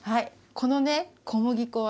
このね小麦粉はね